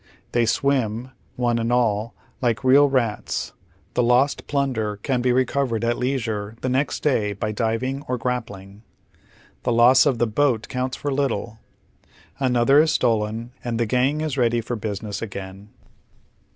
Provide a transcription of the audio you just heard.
They swim, one and all, like real rats ; the lost plunder can be recovered at leisure the next day by diving or grappling. The loss of the boat counts for little. Another is stolon, and the gang is ready for busi ness again.